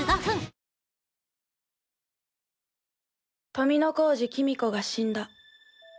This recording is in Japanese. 富小路公子が死んだ。